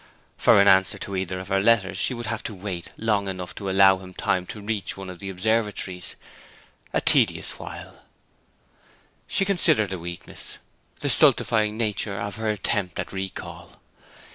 For an answer to either of her letters she would have to wait long enough to allow him time to reach one of the observatories a tedious while. Then she considered the weakness, the stultifying nature of her attempt at recall.